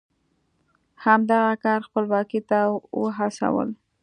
همدغه کار خپلواکۍ ته وهڅول.